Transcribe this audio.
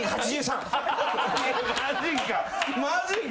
マジか？